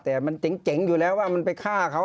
แต่มันเจ๋งอยู่แล้วว่ามันไปฆ่าเขา